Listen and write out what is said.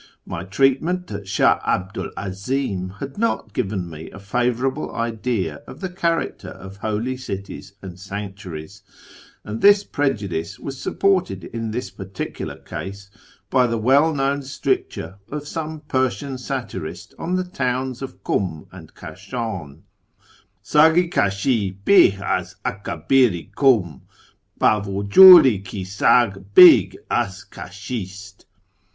My treatment at Shah 'Abdu' l 'Azim had not given me a favourable idea of the character of holy cities and sanctuaries, and this prejudice was supported in this particular case by the well known stricture of some Persian satirist on the towns of Kum and Kashan :" Sag i KdsM bih az akabir i Kum , Bd vuj(uii hi sag bih az Kashist."